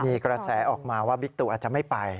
มีกระแสออกมาว่าบิ๊กตูอาจจะไม่ไป